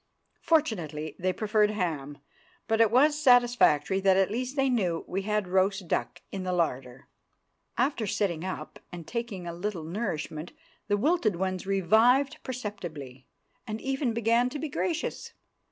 Fortunately they preferred ham, but it was satisfactory that at least they knew we had roast duck in the larder. After sitting up and taking a little nourishment, the wilted ones revived perceptibly, and even began to be gracious.